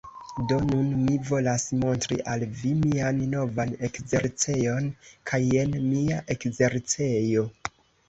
Do, nun mi volas montri al vi mian novan ekzercejon kaj jen mia ekzercejo...